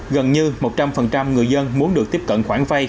gần như một trăm linh người dân muốn được tiếp cận khoản vay